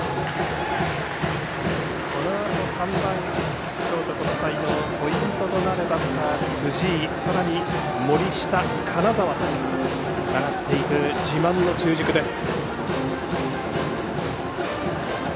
このあと３番、京都国際のポイントとなるバッターの辻井、さらに森下、金沢とつながっていく自慢の中軸です。